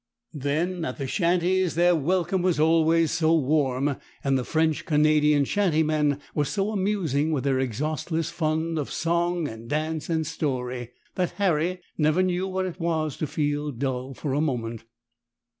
Then at the shanties their welcome was always so warm, and the French Canadian shantymen were so amusing with their exhaustless fund of song and dance and story, that Harry never knew what it was to feel dull for a moment.